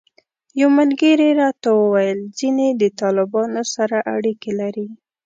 یو ملګري راته وویل ځینې د طالبانو سره اړیکې لري.